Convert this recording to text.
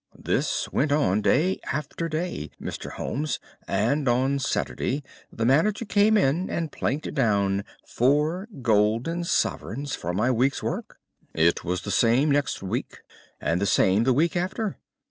"This went on day after day, Mr. Holmes, and on Saturday the manager came in and planked down four golden sovereigns for my week's work. It was the same next week, and the same the week after.